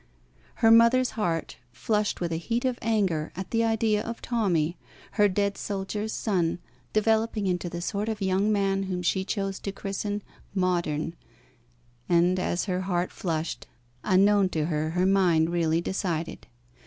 Her mother's heart flushed with a heat of anger at the idea of Tommy, her dead soldier's son, developing into the sort of young man whom she chose to christen "Modern"; and as her heart flushed, unknown to her her mind really decided.